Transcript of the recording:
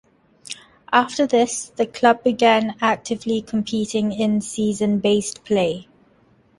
After this, the club began actively competing in season based play.